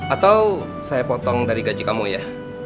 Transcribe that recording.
atau saya potong dari gaji kamu ya